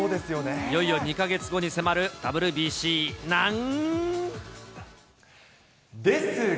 いよいよ２か月後に迫るＷＢですが。